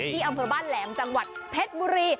อำเภอบ้านแหลมจังหวัดเพชรบุรี